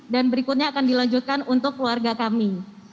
dan berikutnya akan dilanjutkan untuk keluarga kami